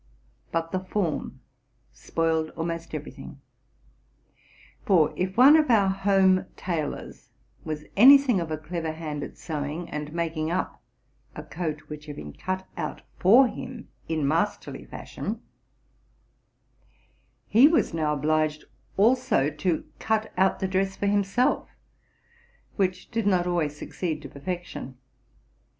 But the form spoiled almost every thing. For, if one of our home tailors was any thing of a clever hand at sew ing and making up a coat which had been cut out for him in "masterly fashion, he was now obliged also to cut out the dress for himself, which did not always succeed to perfec tion.